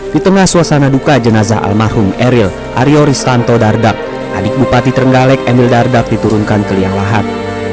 di tengah suasana duka jenazah almarhum eril aryo ristanto dardak adik bupati trenggalek emil dardak diturunkan ke liang lahat